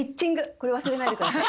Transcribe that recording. これ忘れないで下さい。